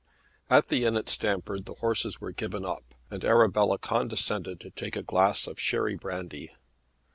At the inn at Stamford the horses were given up, and Arabella condescended to take a glass of cherry brandy.